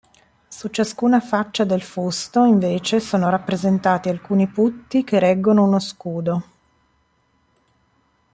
Su ciascuna faccia del fusto, invece, sono rappresentati alcuni putti che reggono uno scudo.